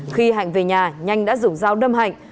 khi hạnh về nhà nhanh đã dùng dao đâm hạnh